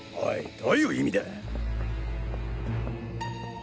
どういう意味だ？